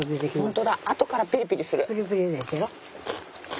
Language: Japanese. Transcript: ホントだあとからピリピリする。